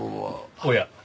おや？